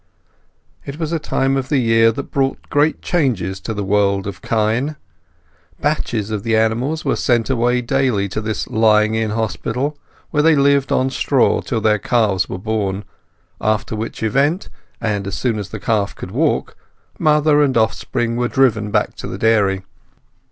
For it was a time of the year that brought great changes to the world of kine. Batches of the animals were sent away daily to this lying in hospital, where they lived on straw till their calves were born, after which event, and as soon as the calf could walk, mother and offspring were driven back to the dairy.